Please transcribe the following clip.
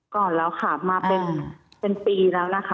ก่อนแล้วค่ะมาเป็นปีแล้วนะคะ